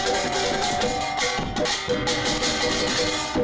perayaan penyucian dikelilingi